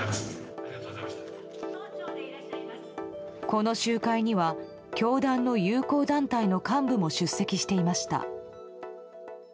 この集会には教団の友好団体の幹部も出席していました。